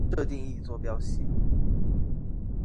设定一坐标系。